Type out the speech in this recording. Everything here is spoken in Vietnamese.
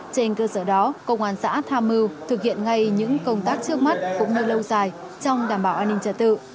trên cơ sở đó công an xã tham mưu thực hiện ngay những công tác trước mắt cũng như lâu dài trong đảm bảo an ninh trật tự